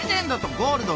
ゴールド！